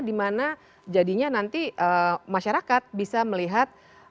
dimana jadinya nanti masyarakat bisa melihat